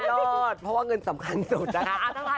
ยอดเพราะว่าเงินสำคัญสุดนะคะ